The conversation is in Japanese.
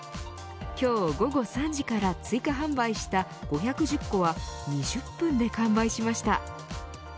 今日午後３時から追加販売した５１０個は２０分で完売しました。